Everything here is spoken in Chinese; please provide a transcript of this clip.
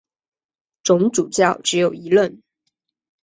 总主教只有一任。